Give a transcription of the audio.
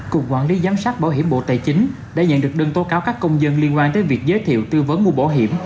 cục quản lý giám sát bảo hiểm bộ tài chính đã nhận được đơn tố cáo các công dân liên quan tới việc giới thiệu tư vấn mua bảo hiểm